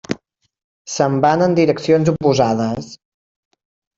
Se'n van en direccions oposades.